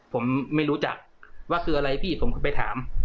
ผมไม่รู้จักว่าคืออะไรพี่ผมก็ไปถาม